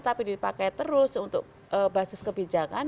tapi dipakai terus untuk basis kebijakan